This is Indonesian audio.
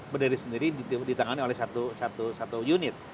berdiri sendiri ditangani oleh satu unit